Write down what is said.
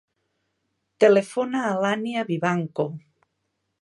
Telefona a l'Ànnia Vivanco.